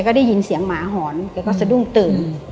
ก็ได้ยินเสียงหมาหอนแกก็สะดุ้งตื่น